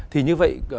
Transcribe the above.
thì như vậy